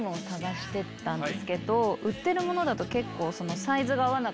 売ってるものだと。